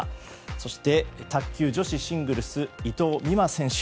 そして、卓球女子シングルス伊藤美誠選手。